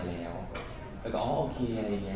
แล้วโอเคอะไรอย่างนี้